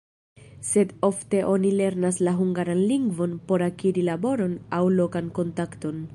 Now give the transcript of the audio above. Sed ofte oni lernas la hungaran lingvon por akiri laboron aŭ lokan kontakton.